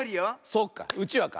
そっかうちわか。